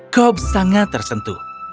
cobb sangat tersentuh